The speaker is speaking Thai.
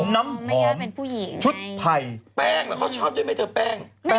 น้ำหอมชุดไทยแป้งเขาชอบด้วยแม่เธอแป้ง